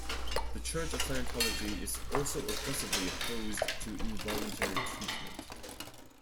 The Church of Scientology is also aggressively opposed to involuntary treatment.